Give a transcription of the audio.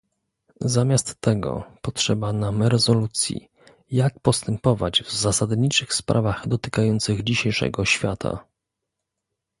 Zamiast tego potrzeba nam rezolucji, jak postępować w zasadniczych sprawach dotykających dzisiejszego świata